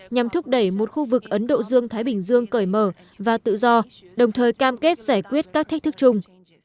nhằm thúc đẩy một khu vực ấn độ dương thái bình dương cởi mở và tự do đồng thời cam kết giải quyết các thách thức chung